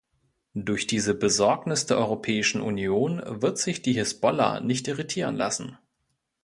Durch diese Besorgnis der Europäischen Union wird sich die Hisbollah nicht irritieren lassen.